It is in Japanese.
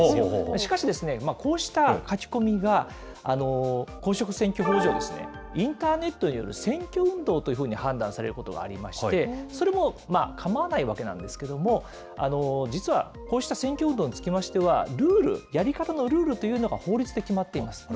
しかしですね、こうした書き込みが公職選挙法上、インターネットによる選挙運動というふうに判断されることがありまして、それも構わないわけなんですけども、実はこうした選挙運動につきましては、ルール、やり方のルールというのが法律で決まっています。